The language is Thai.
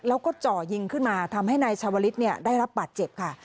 แล้วก็เจาะยิงขึ้นมาทำให้ในชวลิศเนี่ยได้รับบาดเจ็บค่ะ